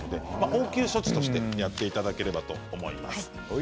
応急処置としてやっていただければと思います。